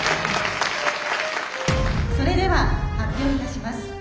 それでは発表いたします。